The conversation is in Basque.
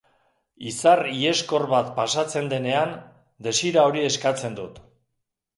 Izar iheskor bat pasatzen denean, desira hori eskatzen dut.